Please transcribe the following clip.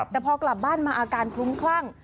แต่พอกลับบ้านมาอาการคลุ้มคลั่ง